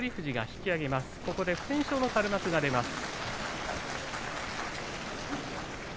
ここで不戦勝の垂れ幕が出ます。